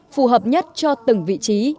phù hợp nhất cho từng vị trí